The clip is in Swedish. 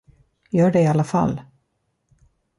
Gör det i alla fall!